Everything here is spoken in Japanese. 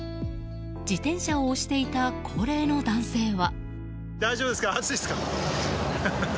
自転車を押していた高齢の男性は。